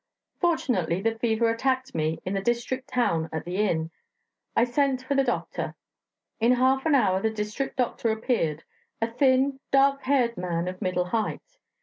Fortunately the fever attacked me in the district town at the inn; I sent for the doctor. In half an hour the district doctor appeared, a thin, dark haired man of middle height.